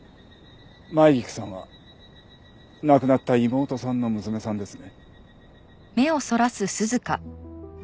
舞菊さんは亡くなった妹さんの娘さんですね？